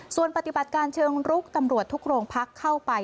ส่วนปฏิบัติการเชิงรุกตำรวจทุกโรงพักเข้าไป